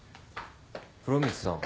風呂光さん。